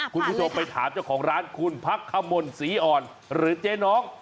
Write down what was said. คุณผู้ชมไปถามเจ้าของร้านคุณพักขมลศรีอ่อนหรือเจ๊น้อง